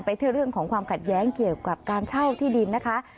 ที่เรื่องของความขัดแย้งเกี่ยวกับการเช่าที่ดินนะคะ